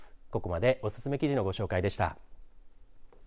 ここまでおすすめ記事のご紹介でした。